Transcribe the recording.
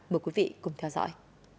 mời quý vị cùng theo dõi